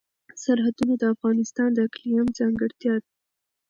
سرحدونه د افغانستان د اقلیم ځانګړتیا ده.